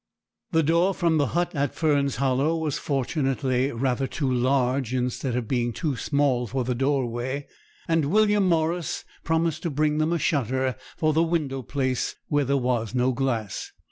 The door from the hut at Fern's Hollow was fortunately rather too large instead of being too small for the doorway; and William Morris promised to bring them a shutter for the window place, where there was no glass.